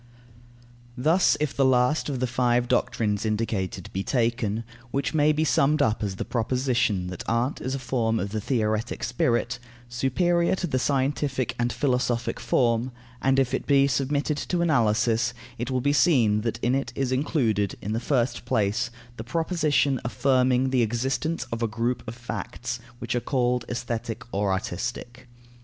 Thus, if the last of the five doctrines indicated be taken, which may be summed up as the proposition that art is a form of the theoretic spirit, superior to the scientific and philosophic form and if it be submitted to analysis, it will be seen that in it is included, in the first place, the proposition affirming the existence of a group of facts, which are called aesthetic or artistic.